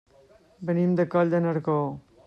Venim de Coll de Nargó.